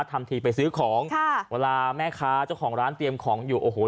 ทำทีไปซื้อของค่ะเวลาแม่ค้าเจ้าของร้านเตรียมของอยู่โอ้โห